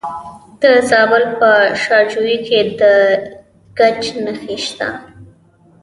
د زابل په شاجوی کې د ګچ نښې شته.